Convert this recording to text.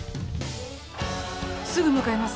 すぐ向かいます。